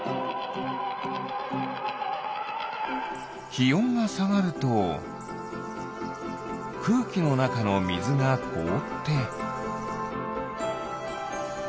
きおんがさがるとくうきのなかのみずがこおって。